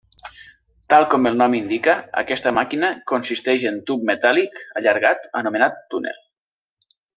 Tal com el nom indica, aquesta màquina consisteix en tub metàl·lic allargat anomenat túnel.